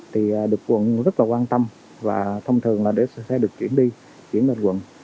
thì được quận rất là quan tâm và thông thường là sẽ được chuyển đi chuyển lên quận